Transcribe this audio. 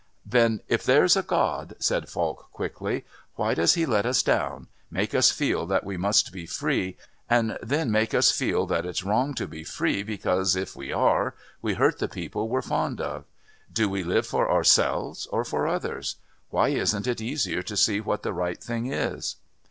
"Then if there's a God," said Falk quickly, "why does He let us down, make us feel that we must be free, and then make us feel that it's wrong to be free because, if we are, we hurt the people we're fond of? Do we live for ourselves or for others? Why isn't it easier to see what the right thing is?"